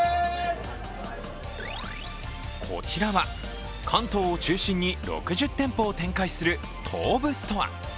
こちらは関東を中心に６０店舗を展開する東武ストア。